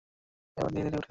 এবার ধীরে ধীরে উঠে দাঁড়ায়।